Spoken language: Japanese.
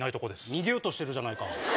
逃げようとしてるじゃないか。